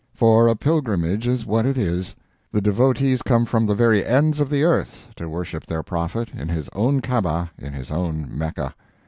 For a pilgrimage is what it is. The devotees come from the very ends of the earth to worship their prophet in his own Kaaba in his own Mecca.